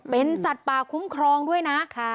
เป็นสัตว์ป่าคุ้มครองด้วยนะ